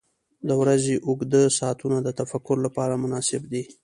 • د ورځې اوږده ساعتونه د تفکر لپاره مناسب دي.